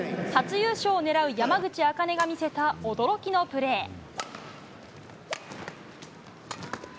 初優勝を狙う山口茜が見せた驚きのプレー。